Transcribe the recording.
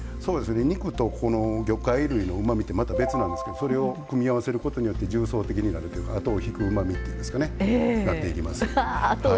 肉と魚介類のうまみって、また別なんですけどそれを組み合わせることによって重層的になるというか後を引くうまみっていうんですかねなっていきます。